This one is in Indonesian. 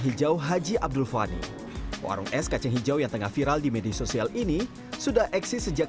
hijau haji abdul fani warung es kacang hijau yang tengah viral di media sosial ini sudah eksis sejak